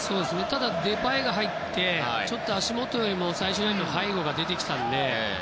ただ、デパイが入って足元よりも最終ラインの背後に出てきたので。